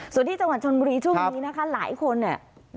ส่วนที่จังหวัดชนบุรีช่วงนี้นะคะหลายคนเนี่ย